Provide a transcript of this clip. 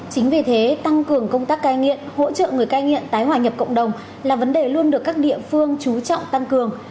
chính vì thế tăng cường công tác cai nghiện hỗ trợ người cai nghiện tái hòa nhập cộng đồng là vấn đề luôn được các địa phương trú trọng tăng cường